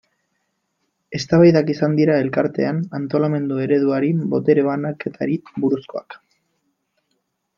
Eztabaidak izan dira Elkartean, antolamendu ereduari, botere banaketari buruzkoak.